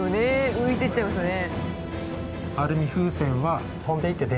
浮いていっちゃいますね。